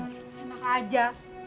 emang enak aja